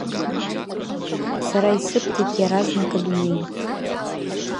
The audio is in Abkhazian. Сара исыбҭеит иаразнак адунеи.